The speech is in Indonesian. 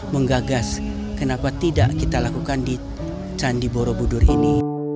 menggagas kenapa tidak kita lakukan di candi borobudur ini